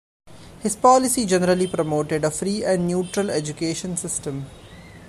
His policy generally promoted a free and neutral education system.